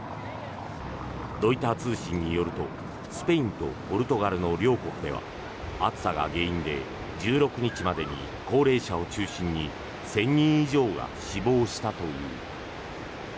ロイター通信によるとスペインとポルトガルの両国では暑さが原因で１６日までに高齢者を中心に１０００人以上が死亡したという。